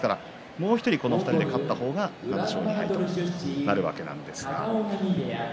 もう１人、この２人の勝った方が７勝２敗となるわけです。